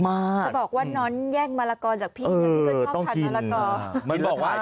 จะบอกว่าน้อนแยกมะระก่อจากพี่มันก็ชอบขัดมะระก่อ